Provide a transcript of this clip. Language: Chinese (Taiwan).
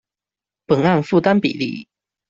本案負擔比例